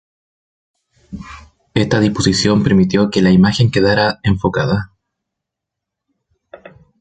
Esta disposición permitió que la imagen quedara enfocada.